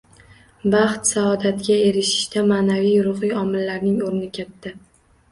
Baxt-saodatga erishishda ma’naviy-ruhiy omillarning o‘rni katta.